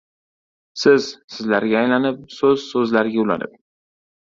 Siz “sizlar”ga aylanib, so‘z “so‘zlar”ga ulanib